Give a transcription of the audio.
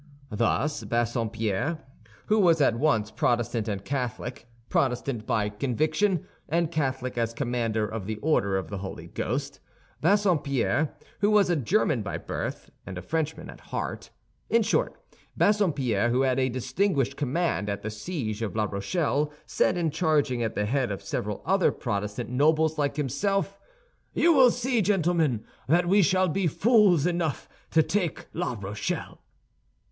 Thus Bassompierre, who was at once Protestant and Catholic—Protestant by conviction and Catholic as commander of the order of the Holy Ghost; Bassompierre, who was a German by birth and a Frenchman at heart—in short, Bassompierre, who had a distinguished command at the siege of La Rochelle, said, in charging at the head of several other Protestant nobles like himself, "You will see, gentlemen, that we shall be fools enough to take La Rochelle."